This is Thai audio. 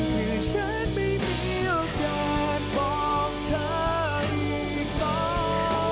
แต่ฉันไม่มีโอกาสบอกเธออีกต่อ